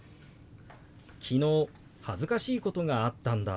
「昨日恥ずかしいことがあったんだ」。